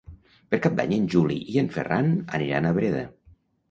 Per Cap d'Any en Juli i en Ferran aniran a Breda.